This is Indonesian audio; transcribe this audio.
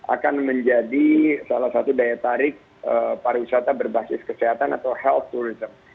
akan menjadi salah satu daya tarik pariwisata berbasis kesehatan atau health tourism